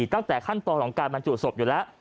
ตั้งแต่ขั้นตอนของการบรรจุศพอยู่แล้ว